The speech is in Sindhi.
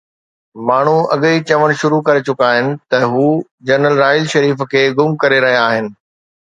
ماڻهو اڳ ئي چوڻ شروع ڪري چڪا آهن ته هو جنرل راحيل شريف کي گم ڪري رهيا آهن.